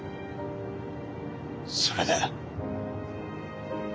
それで？